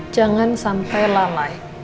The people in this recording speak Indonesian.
jangan sampai lalai